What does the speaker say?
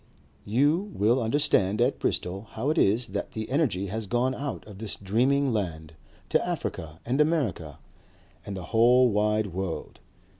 You will understand at Bristol how it is that the energy has gone out of this dreaming land to Africa and America and the whole wide world.